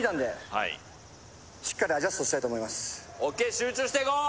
集中していこう！